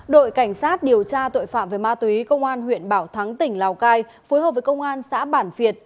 đội cảnh sát điều tra tội phạm về ma túy công an huyện bảo thắng tỉnh lào cai phối hợp với công an xã bản việt